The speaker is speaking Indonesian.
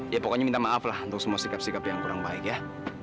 ya pokoknya minta maaf lah untuk semua sikap sikap yang kurang baik ya